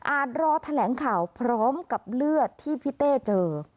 รอแถลงข่าวพร้อมกับเลือดที่พี่เต้เจอ